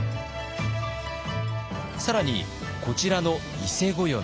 更にこちらの伊勢暦。